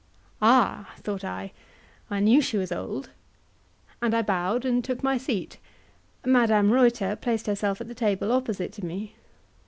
"Ah!" thought I, "I knew she was old," and I bowed and took my seat. Madame Reuter placed herself at the table opposite to me.